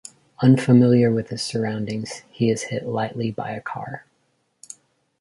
Unfamiliar with his surroundings, he is hit lightly by a car.